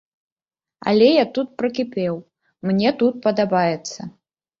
Але я тут прыкіпеў, мне тут падабаецца.